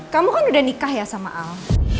kamu kan udah nikah ya sama al